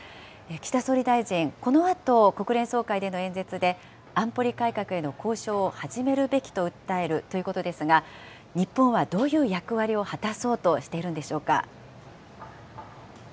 岸田総理大臣、このあと国連総会での演説で、安保理改革への交渉を始めるべきと訴えるということですが、日本はどういう役割を果たそうとしているんでしょうか。